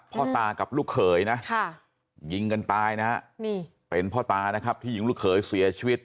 พ่อตากับลูกเขยนะยิงกันตายนะฮะนี่เป็นพ่อตานะครับที่ยิงลูกเขยเสียชีวิต